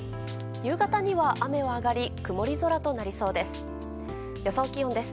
夕方には雨は上がり曇り空となりそうです。